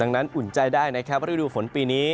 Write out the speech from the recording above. ดังนั้นอุ่นใจได้นะครับว่าวิดีโอศิษฐ์ฝนปีนี้